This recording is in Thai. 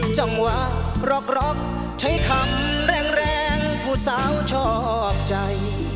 จังหวะร็อกใช้คำแรงแรงผู้สาวชอบใจ